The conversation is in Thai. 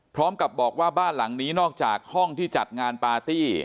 พร้อมกับบอกว่าบ้านหลังนี้นอกจากห้องที่จัดงานปาร์ตี้